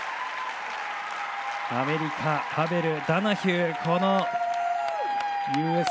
アメリカハベル、ダナヒュー。